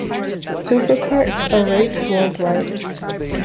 Superkarts are raced worldwide.